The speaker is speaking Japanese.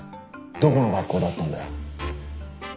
どこの学校だったんだよ？